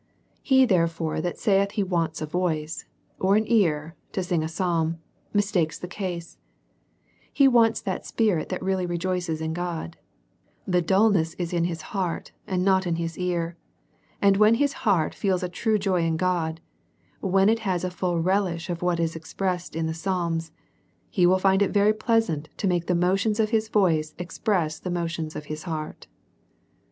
He, therefore, that saith he wants a voice or an ear to sing a psalm, mistakes the case ; he wants that spi rit that really rejoices in God; the dulness is in his heart, and not in his ear ; and when his heart feels a true joy in God, when it has a full relish of what is ex pressed in the psalms, he will find it very pleasant to make the motions of his voice express the motions of his heart.